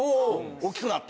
大っきくなって。